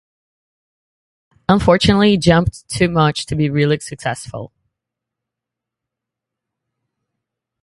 Unfortunately it jumped too much to be really successful.